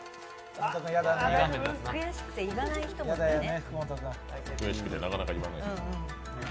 悔しくて言わない人もいるよね。